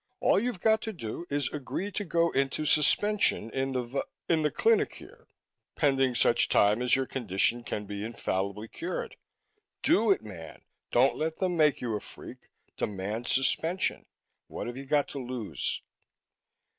All you've got to do is agree to go into suspension in the va in the clinic here, pending such time as your condition can be infallibly cured. Do it, man! Don't let them make you a freak demand suspension! What have you got to lose?"